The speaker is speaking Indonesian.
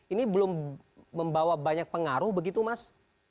ini belum membawa banyak pengaruh begitu mas